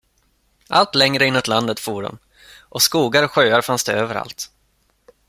Allt längre inåt landet for de, och skogar och sjöar fanns det överallt.